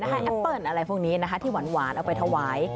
แอปเปิ้ลอะไรพวกนี้นะคะที่หวานเอาไปถวาย